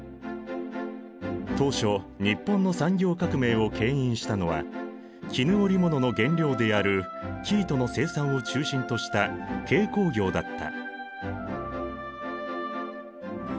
当初日本の産業革命をけん引したのは絹織物の原料である生糸の生産を中心とした軽工業だった。